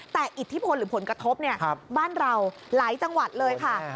แต่อิทธิพลหรือผลกระทบบ้านเราหลายจังหวัดเลยค่ะ